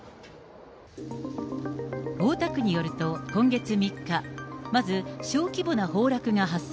大田区によると今月３日、まず、小規模な崩落が発生。